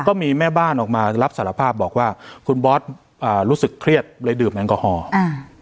ก็มีแม่บ้านออกมารับสารภาพบอกว่าคุณบอสอ่ารู้สึกเครียดเลยดื่มแอลกอฮอลอ่า